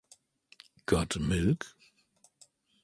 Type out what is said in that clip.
Got Milk?